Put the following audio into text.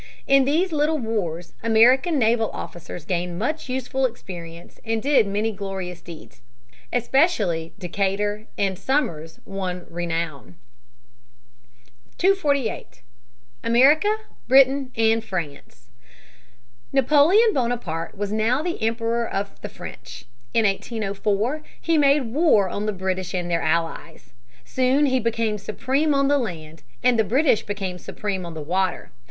In these little wars American naval officers gained much useful experience and did many glorious deeds. Especially Decatur and Somers won renown. [Sidenote: European fighters attack American commerce. McMaster, 224 226.] 248. America, Britain, and France. Napoleon Bonaparte was now Emperor of the French. In 1804 he made war on the British and their allies. Soon he became supreme on the land, and the British became supreme on the water.